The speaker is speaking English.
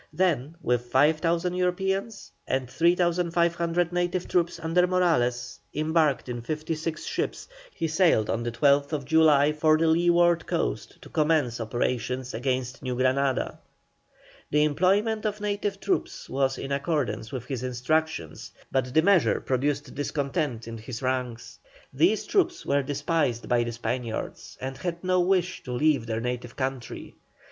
Then with 5,000 Europeans and 3,500 native troops under Morales, embarked in fifty six ships, he sailed on the 12th July for the leeward coast to commence operations against New Granada. The employment of native troops was in accordance with his instructions, but the measure produced discontent in his ranks. These troops were despised by the Spaniards, and had no wish to leave their native country.